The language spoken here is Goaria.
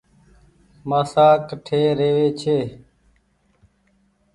مآسآ ڪٺي روي ڇي۔